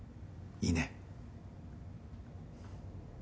いいね？